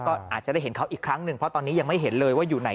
ก็อาจจะได้เห็นเขาอีกครั้งหนึ่งเพราะตอนนี้ยังไม่เห็นเลยว่าอยู่ไหน